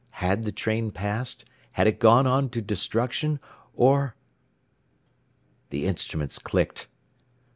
Had the train passed? Had it gone on to destruction? Or The instruments clicked.